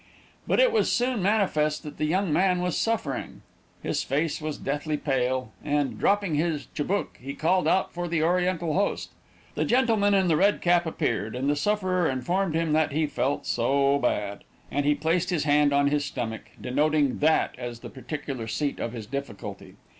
But it was soon manifest that the young man was suffering. His face was deathly pale, and, dropping his chibouk, he called out for his oriental host. The gentleman in the red cap appeared, and the sufferer informed him that he "felt so bad," and he placed his hand on his stomach, denoting that as the particular seat of his difficulty.